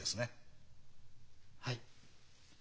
はい。